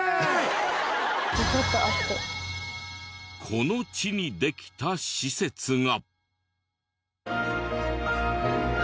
この地にできた施設が。